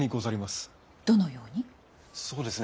そうですね。